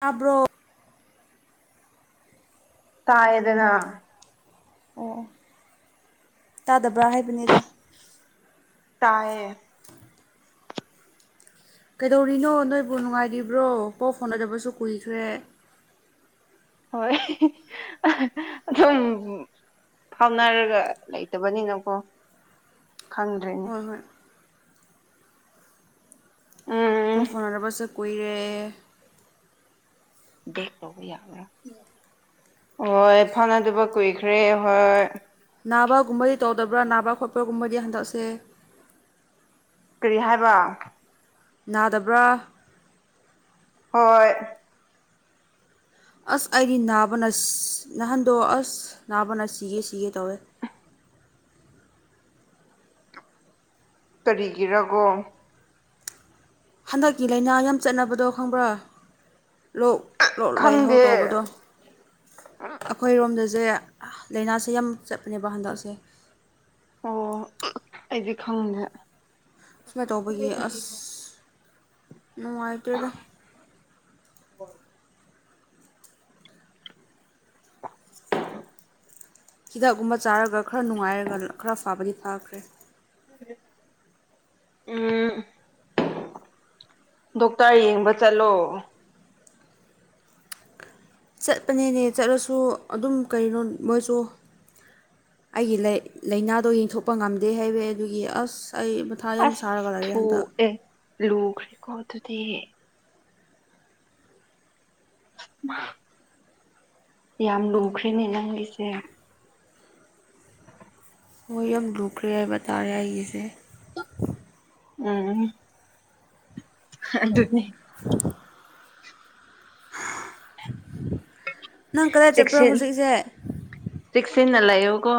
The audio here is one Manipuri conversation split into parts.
ꯇꯥꯕ꯭ꯔꯣ ꯇꯥꯏꯗꯅ ꯑꯣ ꯇꯥꯗꯕ꯭ꯔꯥ ꯍꯥꯏꯕꯅꯤꯗ ꯇꯥꯏꯌꯦ ꯀꯩꯗꯧꯔꯤꯅꯣ ꯅꯣꯏꯕꯨ ꯅꯨꯡꯉꯥꯏꯔꯤꯕ꯭ꯔꯣ ꯄꯥꯎ ꯐꯥꯎꯅꯗꯕꯁꯨ ꯀꯨꯏꯈ꯭ꯔꯦ ꯍꯣꯏ ꯑꯗꯨꯝ ꯐꯥꯎꯅꯔꯒ ꯂꯩꯇꯕꯅꯤꯅꯀꯣ ꯈꯪꯗ꯭ꯔꯦꯅꯦ ꯍꯣꯏ ꯍꯣꯏ ꯄꯥꯎ ꯎꯝ ꯐꯥꯎꯅꯗꯕꯁꯨ ꯀꯨꯏꯔꯦ ꯌꯥꯕ꯭ꯔꯥ ꯍꯣꯏ ꯐꯥꯎꯅꯗꯕ ꯀꯨꯏꯈ꯭ꯔꯦ ꯍꯣꯏ ꯅꯥꯕꯒꯨꯝꯕꯗꯤ ꯇꯧꯗꯕ꯭ꯔꯥ ꯅꯥꯕ ꯈꯣꯠꯄꯒꯨꯝꯕꯗꯤ ꯍꯟꯗꯛꯁꯦ ꯀꯔꯤ ꯍꯥꯏꯕ ꯅꯥꯗꯕ꯭ꯔꯥ ꯍꯣꯏ ꯑꯁ ꯑꯩꯗꯤ ꯅꯥꯕꯅ ꯅꯥꯍꯟꯗꯣ ꯑꯁ ꯅꯥꯕꯅ ꯁꯤꯒꯦ ꯁꯤꯒꯦ ꯇꯧꯋꯦ ꯀꯔꯤꯒꯤꯔꯀꯣ ꯍꯟꯗꯛꯀꯤ ꯂꯥꯏꯅꯥ ꯌꯥꯝ ꯆꯠꯅꯕꯗꯣ ꯈꯪꯕ꯭ꯔꯥ ꯂꯣꯛ ꯂꯣꯛ ꯂꯥꯏꯍꯧ ꯈꯪꯗꯦ ꯇꯧꯕꯗꯣ ꯑꯩꯈꯣꯏ ꯔꯣꯝꯗꯁꯦ ꯂꯥꯏꯅꯥꯁꯦ ꯌꯥꯝ ꯆꯠꯄꯅꯦꯕ ꯍꯟꯗꯛꯁꯦ ꯑꯣ ꯑꯩꯗꯤ ꯈꯪꯗꯦ ꯁꯨꯃꯥꯏꯅ ꯇꯧꯕꯒꯤ ꯑꯁ ꯅꯨꯡꯉꯥꯏꯇꯦꯗ ꯑꯣ ꯍꯤꯗꯥꯛꯀꯨꯝꯕ ꯆꯥꯔꯒ ꯈꯔ ꯅꯨꯡꯉꯥꯏꯔꯒ ꯈꯔ ꯐꯕꯗꯤ ꯐꯥꯈ꯭ꯔꯦ ꯎꯝ ꯗꯣꯛꯇꯔ ꯌꯦꯡꯕ ꯆꯠꯂꯣ ꯆꯠꯄꯅꯤꯅꯦ ꯆꯠꯂꯁꯨ ꯑꯗꯨꯝ ꯀꯩꯅꯣ ꯃꯣꯏꯁꯨ ꯑꯩꯒꯤ ꯂꯥꯏꯅꯥꯗꯣ ꯌꯦꯡꯊꯣꯛꯄ ꯉꯝꯗꯦ ꯍꯥꯏꯕ ꯑꯗꯨꯒꯤ ꯑꯁ ꯑꯩ ꯃꯊꯥ ꯌꯥꯝ ꯁꯥꯔꯒ ꯂꯩꯔꯦ ꯑꯁ ꯍꯟꯗꯛ ꯑꯦ ꯂꯨꯈ꯭ꯔꯦꯀꯣ ꯑꯗꯨꯗꯤ ꯌꯥꯝ ꯂꯨꯈ꯭ꯔꯦꯅꯦ ꯅꯪꯒꯤꯁꯦ ꯍꯣꯏ ꯌꯥꯝ ꯂꯨꯈ꯭ꯔꯦ ꯍꯥꯏꯕ ꯇꯥꯔꯦ ꯑꯩꯒꯤꯁꯦ ꯎꯝ ꯍꯥ ꯍꯨꯝꯝ ꯑꯗꯨꯅꯤ ꯅꯪ ꯀꯗꯥꯏ ꯆꯠꯄ꯭ꯔ ꯆꯦꯛꯁꯤꯟ ꯍꯧꯖꯤꯛꯁꯦ ꯆꯦꯛꯁꯤꯟꯅ ꯂꯩꯌꯣꯀꯣ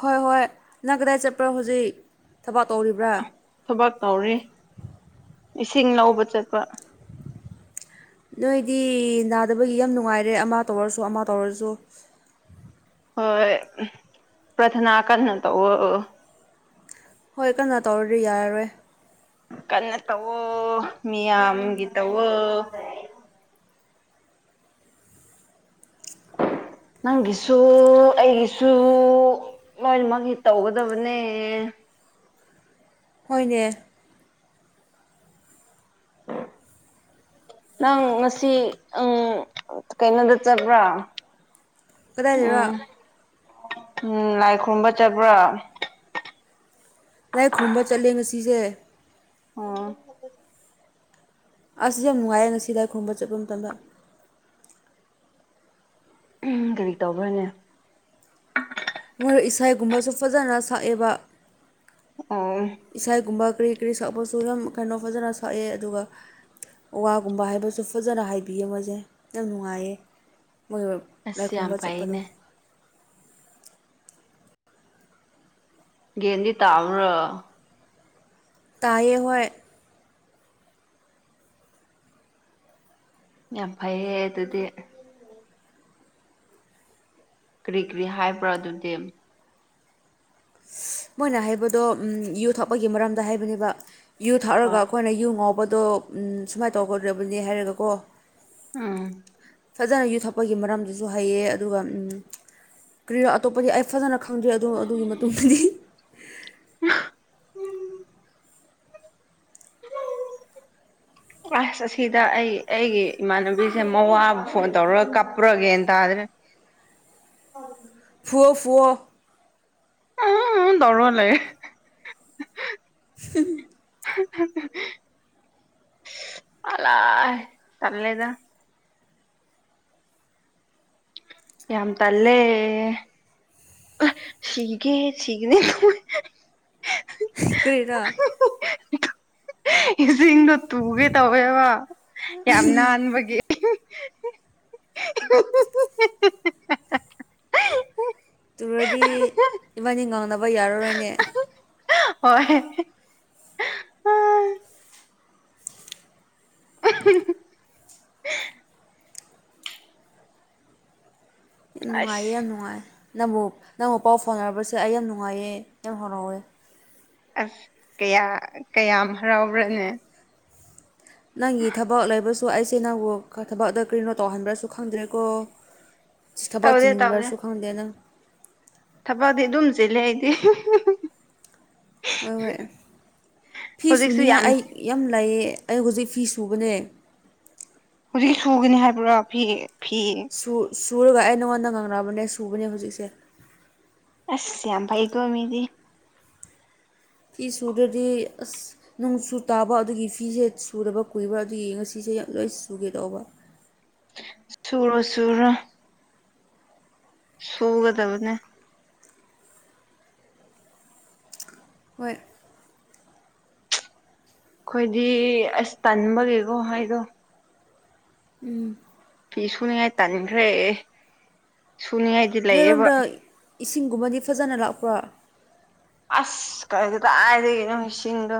ꯍꯣꯏ ꯍꯣꯏ ꯅꯪ ꯀꯗꯥꯏ ꯆꯠꯄ꯭ꯔ ꯍꯧꯖꯤꯛ ꯊꯕꯛ ꯇꯧꯔꯤꯕ꯭ꯔꯥ ꯊꯕꯛ ꯇꯧꯔꯤ ꯏꯁꯤꯡ ꯂꯧꯕ ꯆꯠꯄ ꯅꯣꯏꯗꯤ ꯅꯥꯗꯕꯒꯤ ꯌꯥꯝ ꯅꯨꯡꯉꯥꯏꯔꯦ ꯑꯃ ꯇꯧꯔꯁꯨ ꯑꯃ ꯇꯧꯔꯁꯨ ꯍꯣꯏ ꯄꯔ꯭ ꯊꯅꯥ ꯀꯟꯅ ꯇꯧꯑꯣ꯫ ꯍꯣꯏ ꯀꯟꯅꯥ ꯇꯧꯗꯔꯗꯤ ꯌꯥꯔꯔꯣꯏ ꯀꯟꯅ ꯇꯋꯣ ꯃꯤꯌꯥꯝꯒꯤ ꯇꯋꯣ ꯅꯪꯒꯤꯁꯨ ꯑꯩꯒꯤꯁꯨ ꯂꯣꯏꯅꯃꯛꯒꯤ ꯇꯧꯒꯗꯕꯅꯦ ꯍꯣꯏꯅꯦ [unintelligible] ꯅꯪ ꯉꯁꯤ ꯀꯩꯅꯣꯗ ꯆꯠꯄ꯭ꯔꯥ ꯀꯗꯥꯏꯗꯔꯣ ꯎꯝ ꯎꯝ ꯂꯥꯏ ꯈꯨꯔꯨꯝꯕ ꯆꯠꯄ꯭ꯔꯥ ꯂꯥꯏ ꯈꯨꯔꯨꯝꯕ ꯆꯠꯂꯦ ꯉꯁꯤꯁꯦ ꯑꯣ ꯑꯁ ꯌꯥꯝ ꯅꯨꯡꯉꯥꯏꯔꯦ ꯉꯁꯤ ꯂꯥꯏ ꯈꯨꯔꯨꯝꯕ ꯆꯠꯄ ꯃꯇꯝꯗ ꯀꯔꯤ ꯇꯧꯈ꯭ꯔꯅꯦ ꯃꯣꯏ ꯏꯁꯩꯥꯏꯒꯨꯝꯕꯁꯨ ꯐꯖꯅ ꯁꯛꯑꯦꯕ ꯑꯣ ꯏꯁꯒꯨꯝꯕ ꯀꯔꯤ ꯀꯔꯤ ꯁꯛꯄꯁꯨ ꯌꯥꯝ ꯀꯩꯅꯣ ꯐꯖꯅ ꯁꯛꯑꯦ ꯑꯗꯨꯒ ꯋꯥꯒꯨꯝꯕ ꯍꯥꯏꯕꯁꯨ ꯐꯖꯅ ꯍꯥꯏꯕꯤꯌꯦ ꯃꯣꯏꯁꯦ ꯌꯥꯝ ꯅꯨꯡꯉꯥꯏꯌꯦ ꯃꯣꯏ ꯂꯥꯏ ꯑꯁ ꯌꯥꯝ ꯈꯨꯔꯨꯝꯕ ꯆꯠꯄꯗꯣ ꯐꯥꯏꯅꯦ ꯒꯌꯥꯟꯗꯤ ꯇꯥꯕꯔꯣ ꯇꯥꯏꯌꯦ ꯍꯣꯢ ꯌꯥꯝ ꯐꯩꯌꯦ ꯑꯗꯨꯗꯤ ꯀꯔꯤ ꯀꯔꯤ ꯍꯥꯏꯕ꯭ꯔꯥ ꯑꯗꯨꯗꯤ ꯃꯣꯏꯅ ꯍꯥꯏꯕꯗꯣ ꯌꯨ ꯊꯛꯄꯒꯤ ꯃꯔꯝꯗ ꯍꯥꯏꯕꯅꯦꯕ ꯌꯨ ꯊꯥꯛꯔꯒ ꯑꯥ ꯑꯩꯈꯣꯏꯅ ꯌꯨ ꯉꯥꯎꯕꯗꯣ ꯁꯨꯃꯥꯏꯅ ꯇꯧꯒꯗꯕꯅꯤ ꯍꯥꯏꯔꯒꯀꯣ ꯎꯝ ꯐꯖꯅ ꯌꯨ ꯊꯛꯄꯒꯤ ꯃꯔꯝꯗꯁꯨ ꯍꯩꯑꯦ ꯑꯗꯨꯒ ꯀꯔꯤꯅꯣ ꯑꯇꯣꯞꯄꯗꯤ ꯑꯩ ꯐꯖꯅ ꯈꯪꯗ꯭ꯔꯦ ꯑꯗꯣ ꯑꯗꯨꯒꯤ ꯃꯇꯨꯡꯗꯗꯤ [unintelligible] [unintelligible] ꯀ꯭ꯂꯥꯁ ꯑꯁꯤꯗ ꯑꯩ ꯑꯩꯒꯤ ꯏꯃꯥꯟꯅꯕꯤꯁꯦ ꯃꯋꯥꯕꯨ ꯐꯣꯟ ꯇꯧꯔꯒ ꯀꯞꯄꯔꯥ ꯒꯌꯥꯟ ꯇꯥꯗ꯭ꯔꯦ ꯑꯣ [inaudible] ꯐꯨꯑꯣ ꯐꯨꯑꯣ ꯑ ꯗꯔ ꯂꯩ [inaudible] ꯎ [inaudible] ꯑꯂ ꯇꯝꯂꯗ [inaudible] ꯌꯥꯝ ꯇꯂꯦ ꯁꯤꯤꯒꯦ ꯁꯤꯤꯒꯅꯦ [inaudible] ꯀꯔꯤꯔꯥ ꯏꯁꯤꯡꯗꯣ ꯇꯨꯒꯦ ꯇꯧꯋꯦꯕ ꯌꯥꯝ ꯅꯥꯟꯕꯒꯤ [inaudible] ꯇꯨꯔꯗꯤ ꯏꯕꯥꯅꯤ ꯉꯥꯡꯅꯕ ꯌꯥꯔꯔꯣꯏꯅꯦ ꯍꯣꯏ ꯌꯥꯝ ꯅꯨꯡꯉꯥꯏꯌꯦ ꯑꯁ ꯌꯥꯝ ꯅꯨꯡꯉꯥꯏ ꯅꯪꯕꯨ ꯅꯪꯕꯨ ꯄꯥꯎ ꯐꯥꯎꯅꯔꯕꯁꯦ ꯑꯩ ꯌꯥꯝ ꯅꯨꯡꯉꯥꯏꯌꯦ ꯌꯥꯝ ꯍꯔꯥꯎꯋꯦ ꯑꯁ ꯀꯌꯥ ꯀꯌꯥꯝ ꯍꯔꯥꯎꯕ꯭ꯔꯅꯦ ꯅꯪꯒꯤ ꯊꯕꯛ ꯂꯩꯕꯁꯨ ꯑꯩꯁꯦ ꯅꯪꯕꯨ ꯊꯕꯛꯗ ꯀꯔꯤꯅꯣ ꯇꯧꯍꯟꯕ꯭ꯔꯁꯨ ꯈꯪꯗ꯭ꯔꯦꯀꯣ ꯊꯕꯛ ꯇꯧꯗꯦ ꯆꯤꯟꯕꯁꯨ ꯈꯪꯗꯦ ꯅꯪ ꯊꯕꯛꯗꯤ ꯑꯗꯨꯝ ꯆꯤꯂꯦ ꯑꯩꯗꯤ ꯍꯣꯏ ꯍꯣꯏ ꯐꯤ ꯍꯧꯖꯤꯛꯁꯨ ꯁꯨꯅꯤꯉꯥꯏ ꯌꯥꯝ ꯑꯩ ꯌꯥꯝ ꯂꯩꯑ ꯑꯩ ꯍꯧꯖꯤꯛ ꯐꯤ ꯁꯨꯕꯅꯦ ꯍꯧꯖꯤꯛ ꯁꯨꯒꯅꯤ ꯍꯥꯏꯕ꯭ꯔꯥ ꯐꯤ ꯐꯤ ꯁꯨꯔꯒ ꯑꯩ ꯅꯉꯣꯟꯗ ꯉꯥꯡꯅꯔꯕꯅꯦ ꯁꯨꯕꯅꯦ ꯍꯧꯖꯤꯛꯁꯦ ꯑꯁ ꯌꯥꯝ ꯐꯩ ꯀꯣꯃꯤꯗꯤ ꯐꯤ ꯁꯨꯗ꯭ꯔꯗꯤ ꯑꯁ ꯅꯣꯡꯁꯨꯨ ꯇꯥꯕ ꯑꯗꯨꯒꯤ ꯐꯤꯁꯦ ꯁꯨꯔꯕ ꯀꯨꯏꯕ ꯑꯗꯨꯒꯤ ꯉꯁꯤꯁꯦ ꯌꯥꯝ ꯂꯣꯏ ꯁꯨꯒꯦ ꯇꯧꯕ ꯁꯨꯔꯣ ꯁꯨꯔꯣ ꯁꯣ ꯀꯗꯕꯨꯅ ꯍꯣꯏ ꯑꯩꯈꯣꯏꯗꯤ ꯑꯁ ꯇꯟꯕꯒꯦꯀꯣ ꯍꯥꯏꯗꯣ ꯎꯝ ꯐ ꯁꯨꯅꯤ ꯑꯥꯏ ꯇꯥꯅꯤꯈ꯭ꯔꯦ ꯁꯨꯅꯤꯥꯏ ꯅꯣꯏꯔꯣꯝꯗ ꯏꯁꯤꯡꯒꯨꯝꯕꯗꯤ ꯐꯖꯅ ꯂꯥꯛꯄ꯭ꯔꯥ ꯑꯁ ꯀꯔꯤꯗ ꯀꯥꯏꯗ ꯅꯪ ꯏꯁꯤꯡꯗꯣ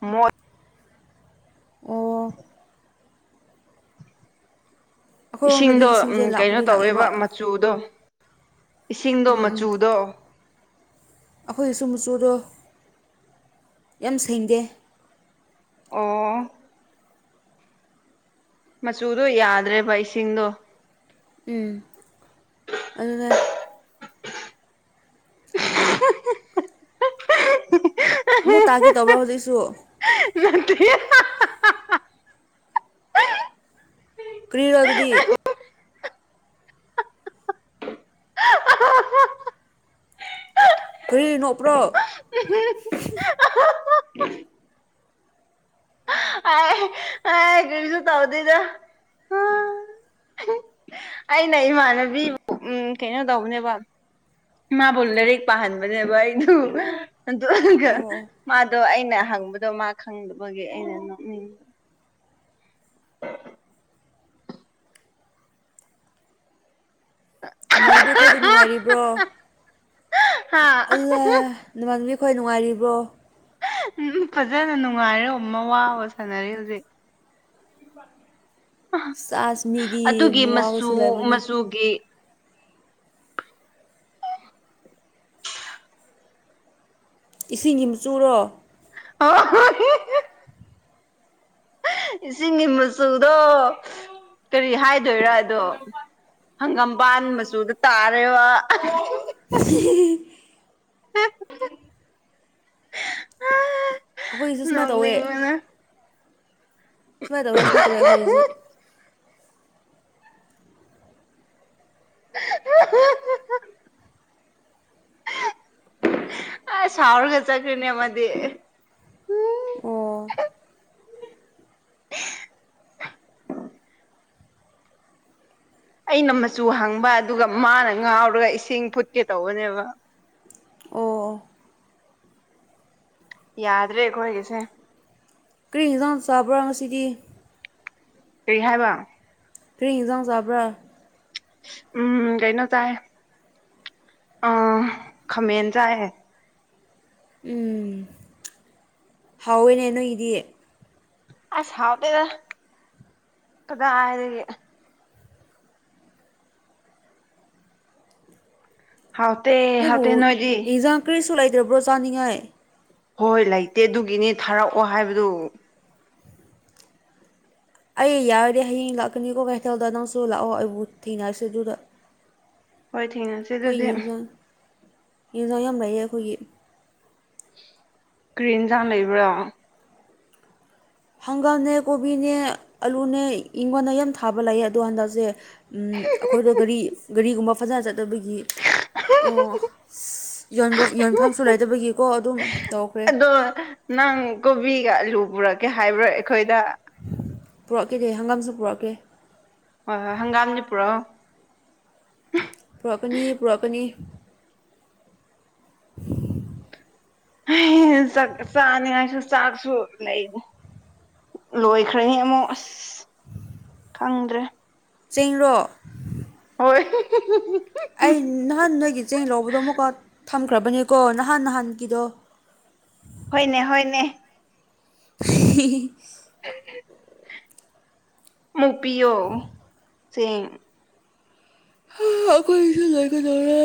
ꯃꯣꯏ ꯑꯣ [inaudible] ꯑꯩꯈꯣꯏꯔꯣꯝꯗꯗꯤ ꯏꯁꯤꯡꯗꯣ ꯏꯁꯤꯡꯁꯦ ꯀꯩꯅꯣ ꯂꯥꯛꯄꯗꯤ ꯇꯧꯋꯦꯕ ꯂꯥꯛꯑꯦꯕ ꯃꯆꯨꯗꯣ ꯏꯁꯤꯡꯗꯣ ꯃꯆꯨꯗꯣ ꯑꯩꯈꯣꯏꯒꯤꯁꯨ ꯃꯆꯨꯗꯣ ꯌꯥꯝ ꯁꯦꯡꯗꯦ ꯑꯣ ꯃꯆꯨꯗꯣ ꯌꯥꯗ꯭ꯔꯦꯕ ꯏꯁꯤꯡꯗꯣ ꯎꯝ ꯑꯗꯨꯅ‌ꯦ ꯍꯝ ꯍꯝ ꯑꯃꯨꯛ ꯇꯥꯒꯦ ꯇꯧꯕ꯭ꯔꯣ ꯍꯧꯖꯤꯛꯁꯨ ꯅꯠꯇ [inaudible] ꯀꯔꯤꯔ ꯑꯗꯨꯗꯤ ꯀꯔꯤꯒꯤ ꯅꯣꯛꯄ꯭ꯔꯣ ꯇꯧꯗ‌ꯦꯗ ꯑꯩꯅ ꯏꯃꯥꯟꯅꯕꯤꯕꯨ ꯎ ꯀꯩꯅꯣ ꯇꯧꯕꯅꯦꯕ ꯏ ꯃꯥꯕꯨ ꯂꯥꯏꯔꯤꯛ ꯄꯥꯍꯟꯕꯅꯦꯕ ꯑꯩꯗꯨ ꯑꯗꯨ ꯑꯣ ꯃꯥꯗꯣ ꯑꯩꯅ ꯍꯪꯕꯗꯣ ꯃꯥ ꯈꯪꯗꯕꯒꯤ ꯑꯩꯅ ꯎ [inaudible] ꯏꯃꯥꯟꯅꯕꯤ ꯑꯩꯈꯣꯏꯗꯤ ꯅꯨꯡꯉꯥꯏꯔꯤꯕ꯭ꯔꯣ ꯍꯥ ꯑꯜꯂ ꯅꯃꯥꯟꯕꯤꯈꯣꯏ ꯅꯨꯡꯉꯥꯏꯔꯤꯕ꯭ꯔꯣ ꯐꯖꯅ ꯅꯨꯡꯉꯥꯏꯔꯦ ꯑꯃ ꯋꯥꯕ ꯁꯥꯟꯅꯔꯦ ꯍꯧꯖꯤꯛ ꯆꯥꯁ ꯃꯤꯗꯤ ꯑꯗꯨꯒꯤ ꯃꯆꯨ ꯃꯋꯥꯒꯁꯨ ꯂꯩꯕꯅꯤ ꯃꯆꯨꯒꯤ ꯏꯁꯤꯡ ꯌꯆꯨꯔꯣ ꯑ ꯍ [inaudible] ꯏꯁꯤꯡꯒꯤ ꯃꯆꯨꯗꯣ ꯀꯔꯤ ꯍꯥꯏꯗꯣꯏꯔꯥ ꯑꯗꯣ ꯍꯪꯒꯥꯝꯕꯥꯥꯟ ꯃꯆꯨꯗ ꯇꯥꯔꯦꯕ ꯎ [inaudible] [inaudible] ꯑꯩꯈꯣꯏꯒꯤꯁꯨ ꯁꯨꯃꯥꯏꯅ ꯇꯧꯋꯦ ꯅꯣꯛꯅꯤꯡꯕꯅ ꯁꯨꯃꯥꯏ ꯇꯧꯋ ꯁꯨꯃꯥꯏ ꯇꯧꯋ ꯑꯩꯈꯣꯏꯁꯤꯁꯨ [inaudible] ꯑꯁ ꯁꯥꯎꯔꯒ ꯆꯠꯈ꯭ꯔꯅꯦꯃꯗꯤ ꯑꯣ ꯑꯩꯅ ꯃꯆꯨ ꯍꯡꯕ ꯑꯗꯨꯒ ꯃꯥꯅ ꯉꯥꯎꯔꯒ ꯏꯁꯤꯡ ꯐꯨꯠꯀꯦ ꯇꯧꯕꯅꯦꯕ ꯑꯣ ꯑꯣ ꯌꯥꯗ꯭ꯔꯦ ꯑꯩꯈꯣ ꯍꯣꯏꯒꯤꯁꯦ ꯀꯔꯤ ꯏꯟꯖꯥꯡ ꯆꯥꯕ꯭ꯔꯥ ꯉꯁꯤꯗꯤ ꯀꯔꯤ ꯍꯥꯏꯕ ꯐꯦ ꯏꯟꯖꯥꯡ ꯆꯕ꯭ꯔꯥ ꯎꯝ ꯀꯩꯅꯣ ꯆꯥꯏ ꯑ ꯈꯥꯃꯦꯟ ꯆꯥꯏꯌ‌ꯦ ꯎꯝ ꯍꯥꯎꯋꯦꯅꯦ ꯅꯣꯏꯒꯤꯗꯤ ꯑꯁ ꯍꯥꯎꯇ‌ꯦꯗ ꯀꯗꯥꯏꯗꯒꯤ ꯍꯥꯎꯇ ꯍꯥꯎꯇ ꯅꯣꯏꯕꯨ ꯅꯣꯏꯗꯤ ꯌꯦꯟꯁꯥꯡ ꯀꯔꯤꯁꯨ ꯂꯩꯇ꯭ꯔꯕ꯭ꯔꯣ ꯆꯥꯅꯤꯡꯉꯥꯏ ꯍꯣꯏ ꯍꯣꯏ ꯂꯩꯇꯦ ꯑꯗꯨꯒꯤꯅꯤ ꯊꯥꯔꯛꯑꯣ ꯍꯥꯏꯕꯗꯨ ꯑꯩ ꯌꯥꯔꯗꯤ ꯍꯌꯦꯡ ꯂꯥꯛꯀꯅꯤꯀꯣ ꯀꯩꯊꯦꯜꯗ ꯅꯪꯁꯨ ꯂꯥꯛꯑꯣ ꯑꯩꯕꯨ ꯊꯦꯡꯅꯔꯁꯤ ꯑꯗꯨꯗ ꯍꯣꯏ ꯊꯦꯡꯅꯁꯤ ꯑꯩꯈꯣꯏ ꯌꯦꯟꯖꯥꯡ ꯌꯦꯟꯁꯥꯡ ꯌꯥꯝ ꯂꯩꯌꯦ ꯑꯩꯈꯣꯏꯒꯤ ꯀꯔꯤ ꯍꯦꯟꯖꯟ ꯂꯩꯕ꯭ꯔꯣ ꯍꯪꯒꯥꯝꯅꯦ ꯀꯣꯕꯤꯅꯦ ꯑꯂꯨꯅꯦ ꯑꯩꯉꯣꯟꯗ ꯌꯥꯝ ꯊꯥꯕ ꯂꯩꯌꯦ ꯑꯗꯣ ꯍꯟꯗꯛꯁꯦ ꯑꯩꯈꯣꯏꯗꯣ ꯒꯥꯔꯤ ꯒꯥꯔꯤꯒꯨꯝꯕ ꯐꯖꯅ ꯆꯠꯕꯒꯤ ꯑꯣ ꯌꯣꯟꯐꯝ ꯌꯣꯟꯐꯝꯁꯨ ꯂꯩꯗꯕꯒꯤꯀꯣ ꯑꯗꯨꯝ ꯇꯧꯈ꯭ꯔꯦ꯫ ꯑꯗꯣ ꯅꯪ ꯀꯣꯕꯤꯒ ꯑꯂꯨ ꯄꯨꯔꯛꯀꯦ ꯍꯥꯏꯕ꯭ꯔꯣ ꯑꯩꯈꯣꯏꯗ꯫ ꯄꯨꯔꯛꯀꯦꯗꯤ ꯍꯪꯒꯥꯝꯁꯨ ꯄꯨꯔꯛꯀꯦ꯫ ꯍꯣꯏ ꯍꯣꯏ ꯍꯪꯒꯥꯝꯅꯤ ꯄꯨꯔꯣꯛꯑꯣ꯫ ꯄꯨꯔꯥꯛꯀꯅꯤ ꯄꯨꯔꯥꯀꯅꯤ꯫ ꯎꯝ [unintelligible] ꯆꯥꯛ ꯆꯥꯅꯤꯡꯉꯥꯏꯁꯨ ꯆꯥꯛꯁꯨ ꯂꯩꯅꯤ, ꯂꯣꯏꯈ꯭ꯔ‌ꯦ ꯍ‌ꯦ, ꯑꯃꯨꯛ ꯑꯁ ꯈꯪꯗ꯭ꯔꯦ꯫ ꯆꯦꯡꯔ‌ꯣ꯫ ꯍꯣꯏ ꯑꯩ ꯅꯍꯥꯟ ꯅꯣꯏꯒꯤ ꯆꯦꯡ ꯂꯧꯕꯗꯣ ꯑꯃꯨꯛꯀ ꯊꯝꯈ꯭ꯔꯕꯅꯤꯀꯣ ꯅꯍꯥꯟ ꯅꯍꯥꯟꯒꯤꯗꯣ꯫ ꯍꯣꯏꯅꯦ-ꯍꯣꯏꯅꯦ ꯍꯤ ꯍꯤ ꯍꯤ ꯃꯨꯛ ꯄꯤꯌꯣ ꯆꯦꯡ꯫ ꯑꯩꯈꯣꯏꯁꯨ ꯂꯣꯏꯒꯗꯧꯔꯦ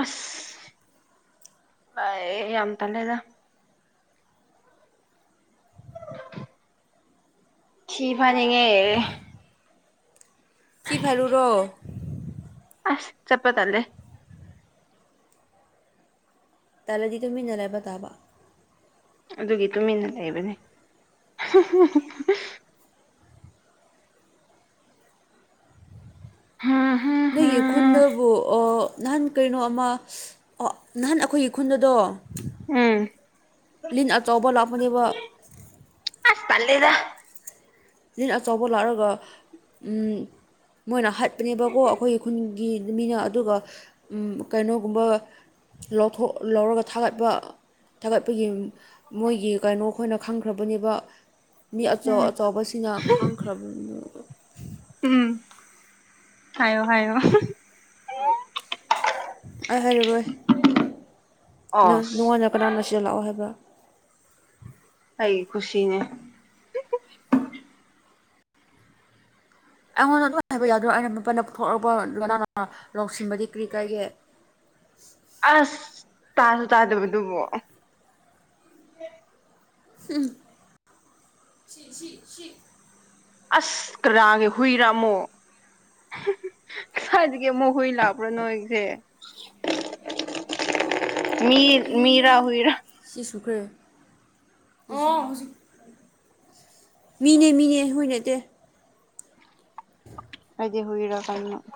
ꯑꯁ ꯌꯥꯝ ꯇꯜꯂꯦꯗ꯫ [inaudible] ꯊꯤ ꯐꯥꯏꯅꯤꯡ ꯌ‌ꯦ꯫ ꯊꯤ ꯐꯥꯏꯔꯨꯔ‌ꯣ꯫ ꯑꯁ ꯆꯠꯄ ꯇꯜꯂꯦ꯫ ꯇꯥꯂꯗꯤ ꯇꯨꯃꯤꯟꯅ ꯂꯩꯕ ꯇꯥꯕ꯫ ꯑꯗꯨꯒꯤ ꯇꯨꯃꯤꯟꯅ ꯂꯩꯕꯅꯦ꯫ ꯍꯥ ꯍ [unintelligible] ꯅꯣꯏꯒꯤ ꯈꯨꯟꯗꯕꯨ ꯅꯍꯥꯟ ꯀꯩꯅꯣꯃ꯫ ꯑꯣ ꯅꯍꯥꯟ ꯑꯩꯈꯣꯏꯒꯤ ꯈꯨꯟꯗꯗꯣ ꯎꯝ ꯂꯤꯟ ꯑꯆꯧꯕ ꯂꯥꯛꯄꯅꯦꯕ꯫ ꯑꯁ ꯇꯜꯂ‌ꯦꯗ꯫ ꯂꯤꯟ ꯑꯆꯧꯕ ꯂꯥꯛꯕꯒ ꯎꯝ, ꯃꯣꯏꯅ ꯍꯥꯠꯄꯅꯦꯕꯀꯣ, ꯑꯩꯈꯣꯏꯒꯤ ꯈꯨꯟꯒꯤ ꯃꯤꯅ ꯑꯗꯨꯒ ꯀꯩꯅꯣꯒꯨꯝꯕ, ꯂꯧꯊꯣꯛ ꯂꯧꯔꯒ ꯊꯥꯒꯠꯄ꯫ ꯊꯥꯒꯠꯄꯒꯤ ꯃꯣꯏꯒꯤ ꯀꯩꯅꯣ ꯈꯣꯏꯅ ꯈꯪꯈ꯭ꯔꯕꯅꯦꯕ꯫ ꯃꯤ ꯑꯆꯧ ꯎꯝ ꯑꯆꯧꯕꯕꯁꯤꯡꯅ ꯈꯥꯡꯈ꯭ꯔꯕ ꯎꯝ ꯍꯥꯏꯌꯣ ꯍꯥꯏꯌꯣ꯫ ꯑꯩ ꯍꯥꯏꯔꯨꯔꯣꯏ ꯑꯁ ꯅꯪꯉ‌ꯣꯟꯗ ꯀꯅꯥꯅꯣ ꯁꯤꯗ ꯂꯥꯛꯑꯣ ꯍꯥꯏꯕ꯫ ꯑꯩꯩ ꯈꯨꯁꯤꯅꯦ꯫ ꯑꯩꯉꯣꯟꯗ ꯑꯗꯨꯝ ꯍꯥꯏꯕ ꯌꯥꯗ꯭ꯔꯣ ꯑꯩꯅ ꯃꯄꯟꯗ ꯊꯣꯛꯂꯛꯄ ꯂꯅꯥ ꯅ ꯂꯧꯁꯤꯟꯕꯗꯤ ꯀꯔꯤ ꯀꯥꯏꯒꯦ [unintelligible] ꯑꯁ ꯇꯥꯁꯨ ꯇꯥꯗꯕꯗꯨꯕꯣ꯫ ꯎꯝ ꯁꯤ ꯁꯤ ꯁꯤ ꯑꯁ ꯀꯔꯥꯒꯤ ꯍꯨꯏꯔ ꯑꯝꯃꯣ [unintelligible] ꯑꯃꯣꯛ ꯍꯨꯏ ꯂꯥꯛꯄ꯭ꯔꯥ ꯅꯣꯏꯁꯦ ꯃꯤ! ꯃꯤꯔ ꯍꯨꯏꯔꯥ ꯁꯤꯁꯨꯈ꯭ꯔꯦ ꯑ ꯍꯧꯖꯤꯛ ꯃꯤꯅꯦ ꯃꯤꯅꯦ ꯍꯨꯏ ꯅꯇꯦ꯫ [inaudible] ꯍꯔꯕꯀ [unintelligible]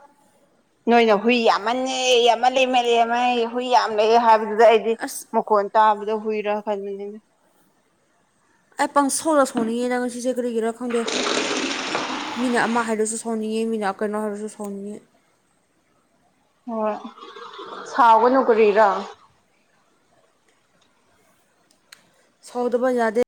ꯅꯣꯏꯅ ꯍꯨꯏ ꯌꯥꯝꯃꯜꯅꯦ ꯌꯥꯝꯃꯜꯂꯦ ꯌꯝꯃꯜꯂꯦ ꯍꯨꯏ ꯌꯥꯝ ꯂꯩꯑꯦ ꯍꯥꯏꯕꯗꯨꯗ ꯑꯩ ꯑꯁ ꯃꯈ‌ꯣꯟ ꯇꯥꯕꯗꯣ ꯍꯨꯏꯔ ꯈꯜꯂꯤꯅꯤ꯫ ꯑꯩ ꯄꯪꯁꯥꯎꯗ ꯁꯥꯎꯅꯤꯡꯏꯗ ꯉꯁꯤꯁꯦ ꯀꯔꯤꯒꯤꯔ ꯈꯪꯗꯦ꯫ ꯃꯤꯅ ꯑꯃ ꯍꯥꯏꯔꯁꯨ ꯁꯥꯎꯅꯤꯡꯉꯦ ꯃꯤꯅ ꯀꯩꯅꯣ ꯍꯥꯏꯔꯁꯨ ꯁꯥꯎꯅꯤꯡꯉꯦ꯫ ꯎꯝ ꯁꯥꯎꯒꯅꯨ ꯀꯔꯤꯔꯥ꯫ ꯁꯥꯎꯗꯕ ꯌꯥꯗꯦ꯫